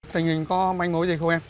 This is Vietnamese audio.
thành hình có manh mối gì không em